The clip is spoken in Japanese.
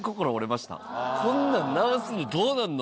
こんなん直すのどうなんの？みたいな。